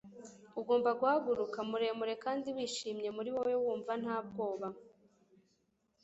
ugomba guhaguruka muremure kandi wishimye, muri wowe wumva nta bwoba